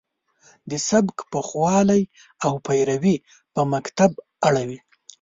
د سبک پوخوالی او پیروي په مکتب اوړي.